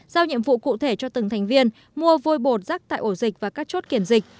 giao nhiệm vụ cụ thể cho từng thành viên mua vôi bột rắc tại ổ dịch và các chốt kiểm dịch